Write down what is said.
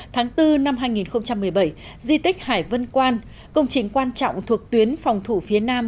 tháng bốn năm hai nghìn một mươi bảy di tích hải vân quan công trình quan trọng thuộc tuyến phòng thủ phía nam